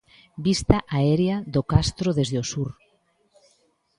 Vista aérea do castro desde o sur.